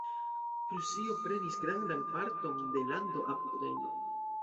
Prusio prenis grandan parton de lando apud Rejno.